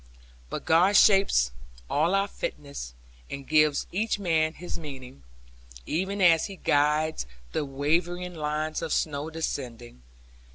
But God shapes all our fitness, and gives each man his meaning, even as he guides the wavering lines of snow descending.